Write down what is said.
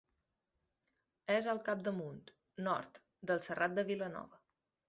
És al capdamunt, nord, del Serrat de Vilanova.